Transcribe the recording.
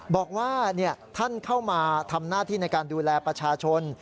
บอกว่าท่านเข้ามาทำหน้าที่ในการดูแลประชาชน